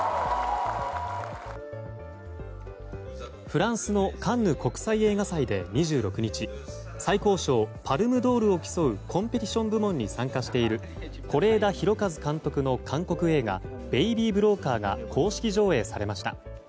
フランスのカンヌ国際映画祭で２６日最高賞パルム・ドールを競うコンペティション部門に参加している是枝裕和監督の韓国映画「ベイビー・ブローカー」が公式上映されました。